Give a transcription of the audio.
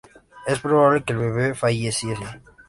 Es probable que el bebe falleciese.